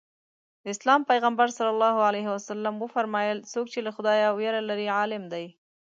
د اسلام پیغمبر ص وفرمایل څوک چې له خدایه وېره لري عالم دی.